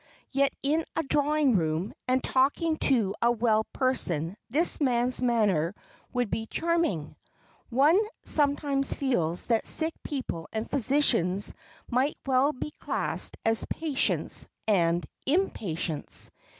Yet in a drawing room, and talking to a well person, this man's manner would be charming. One sometimes feels that sick people and physicians might well be classed as "patients" and "impatients."